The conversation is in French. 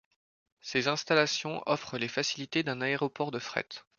Ces installations offrent les facilités d'un aéroport de fret.